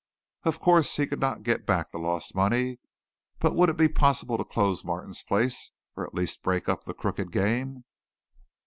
Of course, he could not get back the lost money, but would it be possible to close Martin's place, or at least break up the crooked game?